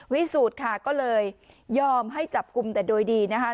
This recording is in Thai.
พิสูจน์ค่ะก็เลยยอมให้จับกลุ่มแต่โดยดีนะคะ